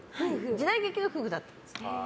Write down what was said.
時代劇の夫婦だったんです。